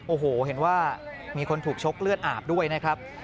โอ้โหเห็นว่ามีคนถูกชกเลือดอาบด้วยนะครับ